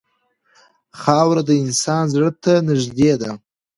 خاوره د انسان زړه ته نږدې ده.